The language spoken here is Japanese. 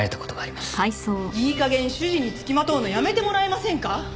いい加減主人につきまとうのやめてもらえませんか？